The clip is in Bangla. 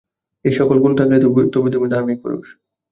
এই-সকল গুণ থাকিলে তবে তুমি ধার্মিক পুরুষ।